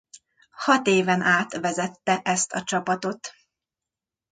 Hat éven át vezette ezt a csapatot.